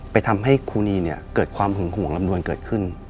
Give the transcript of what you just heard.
ทำให้ครูนีเนี่ยเกิดความหึงห่วงลำดวนเกิดขึ้น